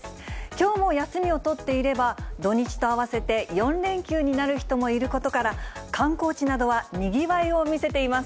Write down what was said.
きょうも休みを取っていれば、土日と合わせて４連休になる人もいることから、観光地などはにぎわいを見せています。